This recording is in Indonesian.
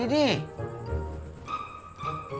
gak jadi be